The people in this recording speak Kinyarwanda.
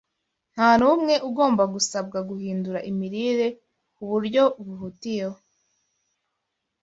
Nta n’umwe ugomba gusabwa guhindura imirire ku buryo buhutiyeho